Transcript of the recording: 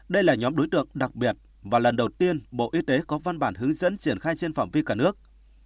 đây là nhóm đối tượng đặc biệt và lần đầu tiên bộ y tế có văn bản hướng dẫn triển khai trên phạm vi cả nước